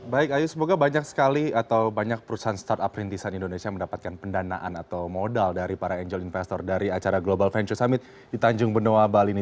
baik ayu semoga banyak sekali atau banyak perusahaan startup rintisan indonesia mendapatkan pendanaan atau modal dari para angel investor dari acara global venture summit di tanjung benoa bali ini